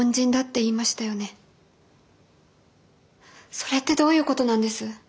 それってどういうことなんです？